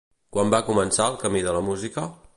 Quan va començar el camí de la música?